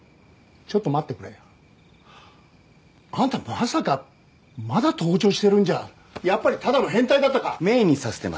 ちょっと待ってくれあんたまさかまだ盗聴してるんじゃやっぱりただの変態だったか芽衣にさせてます